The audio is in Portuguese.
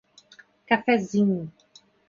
Cafézinho